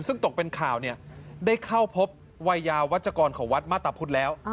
ซึ่งตกเป็นข่าวได้เข้าพบวัยยาวัชกรของวัดมาตรพุทธแล้ว